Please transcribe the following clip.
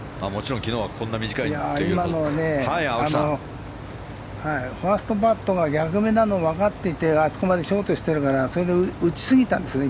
今のはねファーストパットが逆目なの分かっていてあそこまでショートしてるからそれで打ちすぎたんですね。